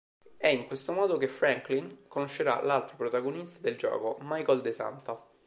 È in questo modo che Franklin conoscerà l'altro protagonista del gioco Michael De Santa.